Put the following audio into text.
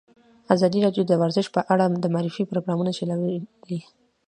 ازادي راډیو د ورزش په اړه د معارفې پروګرامونه چلولي.